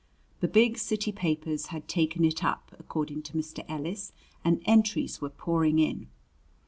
The big city papers had taken it up, according to Mr. Ellis, and entries were pouring in.